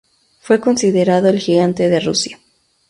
Fue considerado "El Gigante de Rusia".